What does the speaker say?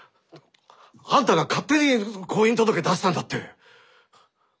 あんたが勝手に婚姻届出したんだって。